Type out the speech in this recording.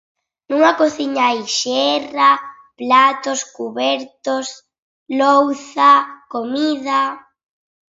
Nunha cociña hai xerra, platos, cubertos, louza, comida.